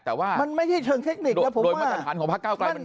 แต่ว่าโดยมาตรฐานของพักเกาะไกล